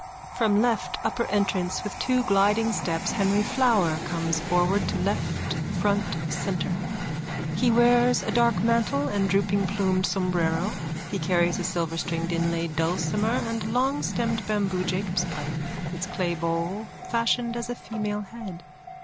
_(From left upper entrance with two gliding steps Henry Flower comes forward to left front centre. He wears a dark mantle and drooping plumed sombrero. He carries a silverstringed inlaid dulcimer and a longstemmed bamboo Jacob's pipe, its clay bowl fashioned as a female head.